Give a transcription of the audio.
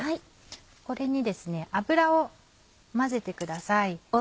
これに油を混ぜてください。